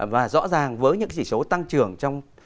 và rõ ràng với những chỉ số tăng trưởng trong